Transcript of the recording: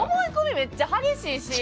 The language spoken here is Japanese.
めっちゃ激しいし。